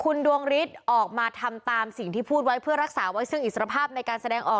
คุณดวงฤทธิ์ออกมาทำตามสิ่งที่พูดไว้เพื่อรักษาไว้ซึ่งอิสรภาพในการแสดงออก